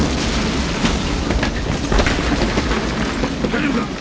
大丈夫か！